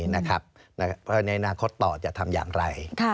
ในอนาคตต่อจะทำอย่างไร